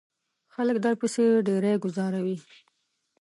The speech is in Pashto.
خلک درپسې ډیری گوزاروي.